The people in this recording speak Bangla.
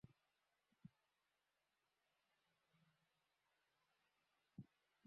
হাওয়াযিনের মনোবলে আগে থেকেই ফাটল ধরেছিল।